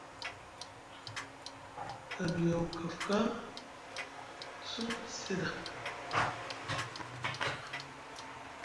A biyaw kafka te sinku te siaɗa.